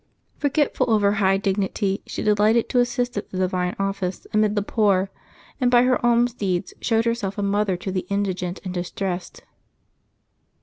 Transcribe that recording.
Forgetful of her high dig nity, she delighted to assist at the Divine Office amid the poor ; and by her alms deeds showed herself a mother to the indigent and distressed.